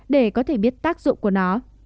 để có thể biết tác dụng của nó